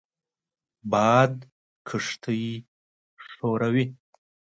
باد کښتۍ ښوروي